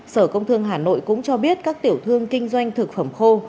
sở công thương hà nội cũng cho biết các tiểu thương kinh doanh thực phẩm khô